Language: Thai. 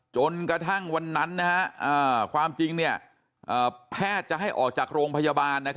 จนกระทั่งวันนั้นความจริงแพทย์จะให้ออกจากโรงพยาบาล